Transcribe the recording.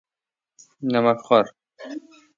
نمک خوار